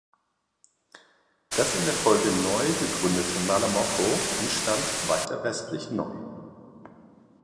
Das in der Folge neu gegründete Malamocco entstand weiter westlich neu.